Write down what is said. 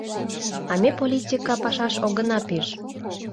— А ме политика пашаш огына пиж.